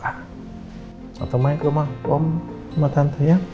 sama sama ya ke rumah om sama tante ya